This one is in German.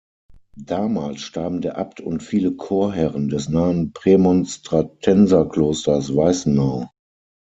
Damals starben der Abt und viele Chorherren des nahen Prämonstratenserklosters Weißenau.